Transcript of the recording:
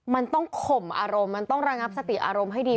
มันต้องข่มอารมณ์มันต้องระงับสติอารมณ์ให้ดี